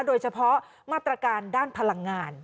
โดยเฉพาะมาตรการด้านพลังงาน